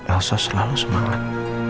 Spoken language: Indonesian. elsa selalu semangat